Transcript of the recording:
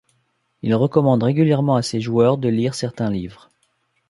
Il recommande régulièrement à ses joueurs de lire certains livres.